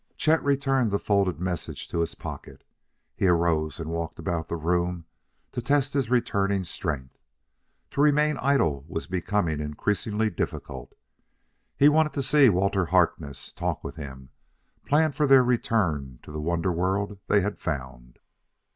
Chet returned the folded message to his pocket. He arose and walked about the room to test his returning strength: to remain idle was becoming increasingly difficult. He wanted to see Walter Harkness, talk with him, plan for their return to the wonder world they had found.